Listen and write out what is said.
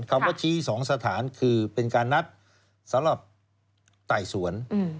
คำว่าชี้๒สถานคือเป็นการนัดสำหรับไต่สวน